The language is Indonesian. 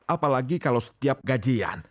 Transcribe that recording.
apalagi kalau setiap gajian